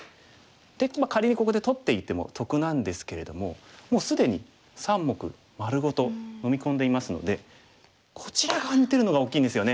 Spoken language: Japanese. で仮にここで取っていても得なんですけれどももう既に３目丸ごと飲み込んでいますのでこちら側に出るのが大きいんですよね。